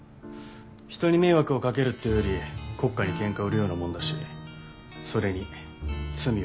人に迷惑をかけるっていうより国家にケンカ売るようなもんだしそれに罪は重い。